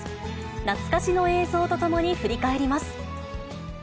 懐かしの映像とともに振り返ります。